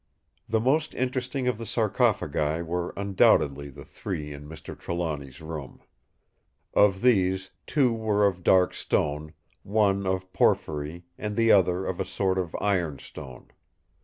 The most interesting of the sarcophagi were undoubtedly the three in Mr. Trelawny's room. Of these, two were of dark stone, one of porphyry and the other of a sort of ironstone.